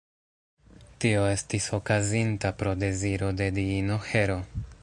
Tio estis okazinta pro deziro de diino Hero.